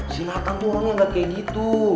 si natan tuh orangnya gak kayak gitu